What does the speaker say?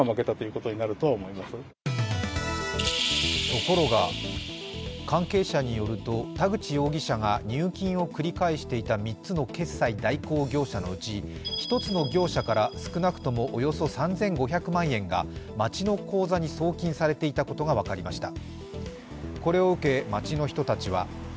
ところが、関係者によると田口容疑者が入金を繰り返していた３つの決済代行業者のうち１つの業者から少なくともおよそ３５００万円が町の口座に送金されていたことが分かりました。